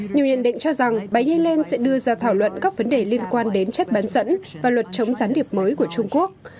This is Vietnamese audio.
nhiều nhận định cho rằng bà y lên sẽ đưa ra thảo luận các vấn đề liên quan đến chất bán dẫn và luật chống gián điệp mới của trung quốc